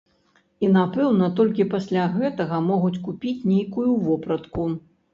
І, напэўна, толькі пасля гэтага могуць купіць нейкую вопратку.